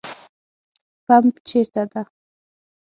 پمپ چیرته ده؟